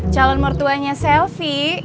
calon mertuanya selvi